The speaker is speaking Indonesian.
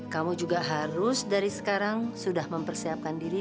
kamu juga harus dari sekarang sudah mempersiapkan diri